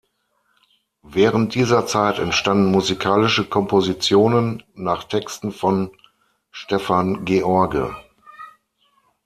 Während dieser Zeit entstanden musikalische Kompositionen nach Texten von Stefan George.